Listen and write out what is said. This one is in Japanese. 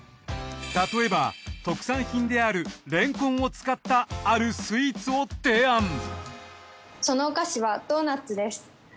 例えば特産品であるレンコンを使ったあるスイーツを提案。